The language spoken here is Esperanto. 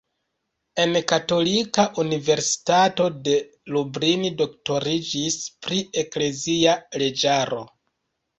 En Katolika Universitato de Lublin doktoriĝis pri eklezia leĝaro.